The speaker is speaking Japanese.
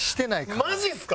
マジっすか？